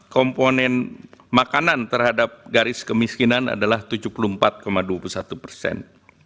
komponen makanan terhadap garis kemiskinan adalah tujuh puluh empat dua puluh satu persen